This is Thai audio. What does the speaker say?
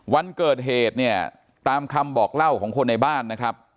วันเกิดเหตุเนี่ยตามคำบอกเล่าของคนในบ้านนะครับ